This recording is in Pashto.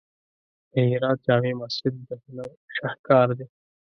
د هرات جامع مسجد د هنر شاهکار دی.